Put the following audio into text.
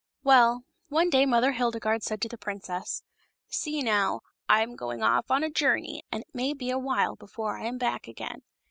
Well, one day Mother Hildegarde said to the princess: "See, now; I am going off on a journey, and it may be a while before I am back again.